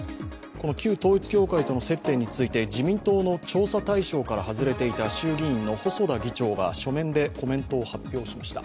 この旧統一教会との接点について自民党の調査対象から外れていた衆議院の細田議長が書面でコメントを発表しました。